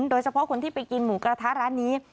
โดยเฉพาะคนที่ไปกินหมูกระทะร้านนี้